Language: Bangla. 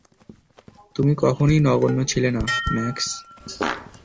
তুমি কখনোই নগণ্য ছিলে না, ম্যাক্স।